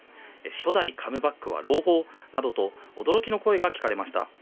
初代カムバックは朗報などと驚きの声が聞かれました。